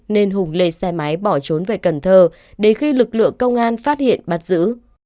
nên hùng lên xe máy bỏ trốn về cần thơ đến khi lực lượng công an phát hiện bắt giữ